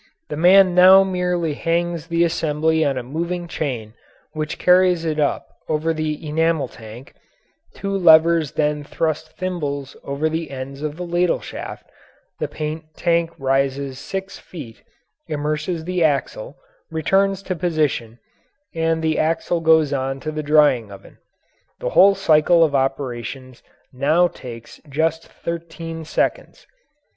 The man now merely hangs the assembly on a moving chain which carries it up over the enamel tank, two levers then thrust thimbles over the ends of the ladle shaft, the paint tank rises six feet, immerses the axle, returns to position, and the axle goes on to the drying oven. The whole cycle of operations now takes just thirteen seconds.